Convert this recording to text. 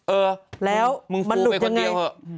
เออแล้วมึงฟูไปคนเดียวเหอะ